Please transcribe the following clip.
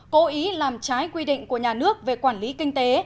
cố ý làm trái quy định của nhà nước về quản lý kinh tế